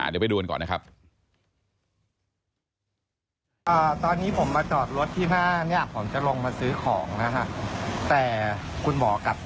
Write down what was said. เดี๋ยวไปดูกันก่อนนะครับ